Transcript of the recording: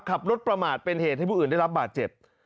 ขับรถประมาทเป็นเหตุให้ผู้อื่นได้รับบาดเจ็บ